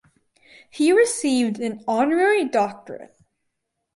He received an honorary doctorate.